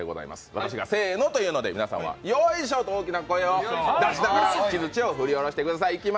私が「せーの」というので、皆さんは「よいしょ」という声を出しながら木づちを振り下ろしてください。